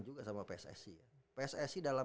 juga sama pssc pssc dalam